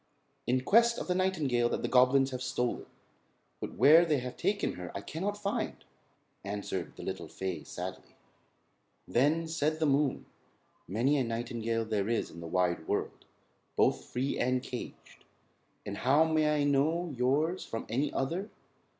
"In quest of the nightingale that the goblins have stolen; but where they have taken her I cannot find," answered the little fay sadly. Then said the moon: "Many a nightingale there is in the wide world, both free and caged, and how may I know yours from any other?